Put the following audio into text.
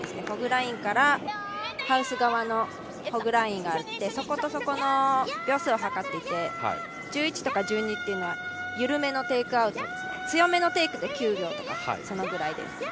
ホッグラインからハウス側のホッグラインがあってそことそこの秒数を計っていて、１１とか１２というのはゆるめのテイク、強めのテイクで９秒とか、そのぐらいです。